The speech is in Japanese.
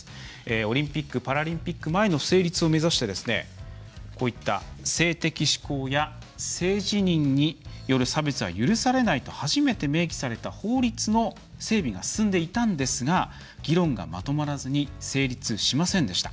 オリンピック・パラリンピック前の成立を目指して性的指向や性自認による差別は許されないと初めて明記された法律の整備が進んでいたんですが議論がまとまらずに成立しませんでした。